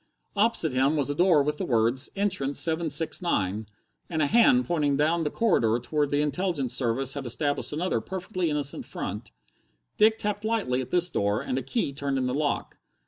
Opposite him was a door with the words "Entrance 769" and a hand pointing down the corridor to where the Intelligence service had established another perfectly innocent front. Dick tapped lightly at this door, and a key turned in the lock.